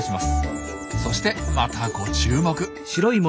そしてまたご注目。